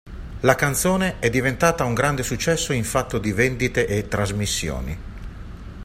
La canzone è diventata un grande successo in fatto di vendite e trasmissioni.